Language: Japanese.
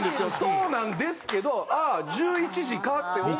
そうなんですけど「あ１１時か」って思って。